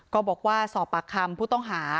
ก็บอกว่าสอบปากคำผู้ต้องหา